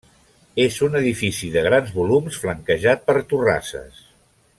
És un edifici de grans volums flanquejat per torrasses.